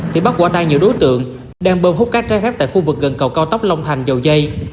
thì bắt quả tay nhiều đối tượng đang bơm hút cát ra khép tại khu vực gần cầu cao tốc long thành dầu dây